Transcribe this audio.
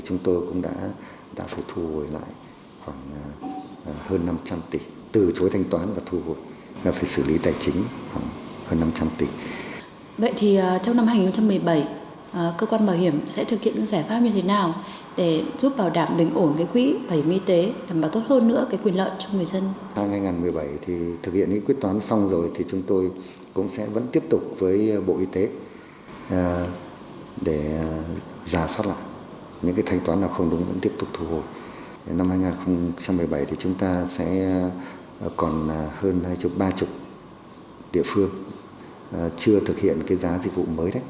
chúng ta sẽ còn hơn hai mươi ba mươi địa phương chưa thực hiện giá dịch vụ mới